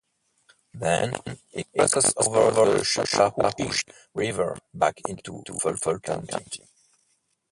Then, it crosses over the Chattahoochee River back into Fulton County.